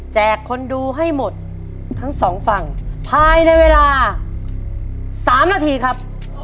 คนดูให้หมดทั้งสองฝั่งภายในเวลา๓นาทีครับ